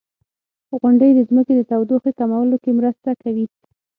• غونډۍ د ځمکې د تودوخې کمولو کې مرسته کوي.